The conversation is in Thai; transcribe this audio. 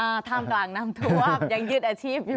ท่ามกลางน้ำท่วมยังยึดอาชีพอยู่